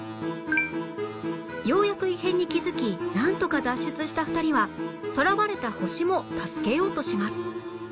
ようやく異変に気づきなんとか脱出した２人はとらわれた星も助けようとします